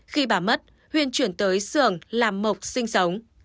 khi bà mất huyên chuyển tới xưởng làm mộc sinh sống